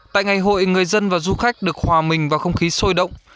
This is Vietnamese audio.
tại ngày hội người dân và du khách được hòa mình vào không khí sôi động